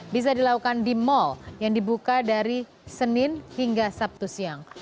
bisa dilakukan di mal yang dibuka dari senin hingga sabtu siang